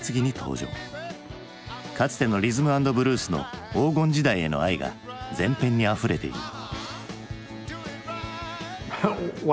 かつてのリズム・アンド・ブルースの黄金時代への愛が全編にあふれている。